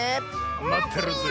まってるぜえ。